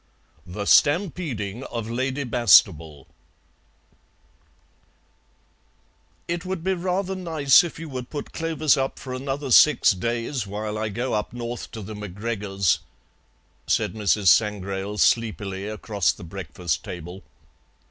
THE STAMPEDING OF LADY BASTABLE "It would be rather nice if you would put Clovis up for another six days while I go up north to the MacGregors'," said Mrs. Sangrail sleepily across the breakfast table.